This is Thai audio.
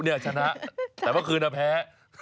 เออเดี๋ยวชนะแต่เมื่อคืนน่ะแพ้